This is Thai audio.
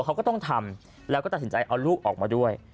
เขาก็ต้องทำแล้วก็ตัดสินใจเอาลูกออกมาด้วย